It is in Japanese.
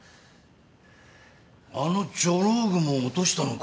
あのジョロウグモを落としたのか？